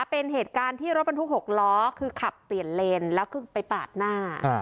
เป็นเหตุการณ์ที่รถบรรทุก๖ล้อคือขับเปลี่ยนเลนแล้วคือไปปาดหน้า